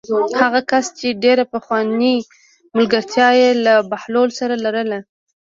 هغه کس چې ډېره پخوانۍ ملګرتیا یې له بهلول سره لرله.